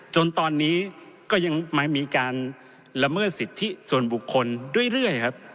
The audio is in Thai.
จนตอนนี้ก็ยังมีการละเมิดสิทธิส่วนบุคคลเรื่อยครับ